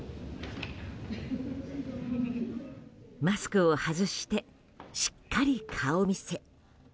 マスクを外してしっかり顔見せ。